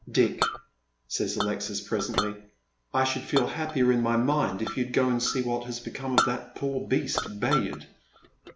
" Dick," says Alexis presently, " I should feel happier in my mind if you'd go and see what has become of that poor beast, Bayard."